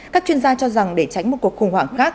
các chuyên gia cho rằng để tránh một cuộc khủng hoảng khác